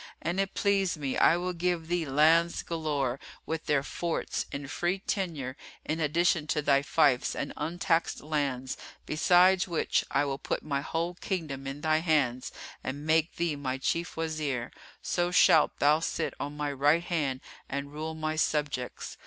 An it please me, I will give thee lands galore, with their forts, in free tenure, in addition to thy fiefs and untaxed lands; besides which I will put my whole kingdom in thy hands and make thee my Chief Wazir; so shalt thou sit on my right hand and rule my subjects.